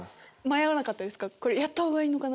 迷わなかったですか？